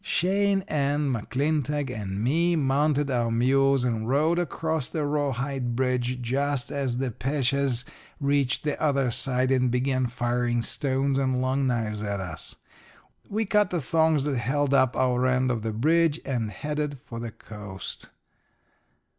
"Shane and McClintock and me mounted our mules and rode across the rawhide bridge just as the Peches reached the other side and began firing stones and long knives at us. We cut the thongs that held up our end of the bridge and headed for the coast."